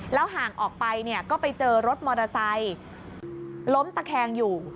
ห่างออกไปเนี่ยก็ไปเจอรถมอเตอร์ไซค์ล้มตะแคงอยู่